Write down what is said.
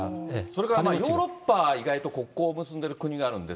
それからまあ、ヨーロッパは意外と国交を結んでいる国があるんで。